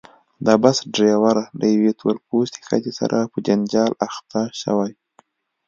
د بس ډریور له یوې تور پوستې ښځې سره په جنجال اخته شوی.